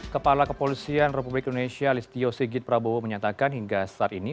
kepala kepolisian republik indonesia listio sigit prabowo menyatakan hingga saat ini